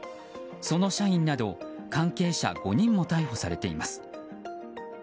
その社員など関係者５人も逮捕されています。